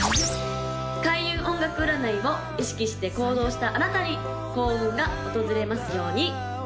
開運音楽占いを意識して行動したあなたに幸運が訪れますように！